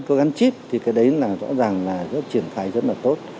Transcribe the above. có gắn chip thì cái đấy là rõ ràng là rất triển khai rất là tốt